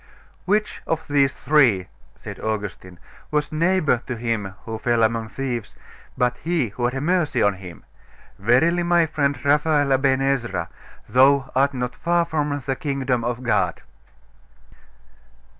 'Which of these three,' said Augustine, 'was neighbour to him who fell among thieves, but he who had mercy on him? Verily, my friend Raphael Aben Ezra, thou art not far from the kingdom of God.